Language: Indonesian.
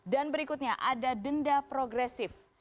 dan berikutnya ada denda progresif